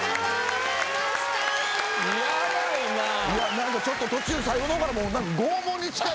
何かちょっと途中最後の方からもう。